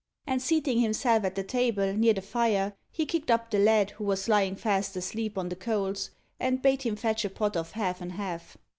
And seating himself at the table, near the fire, he kicked up the lad, who was lying fast asleep on the coals, and bade him fetch a pot of half and half.